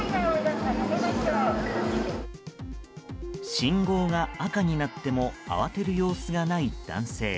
信号が赤になっても慌てる様子がない男性。